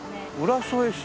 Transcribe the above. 浦添市？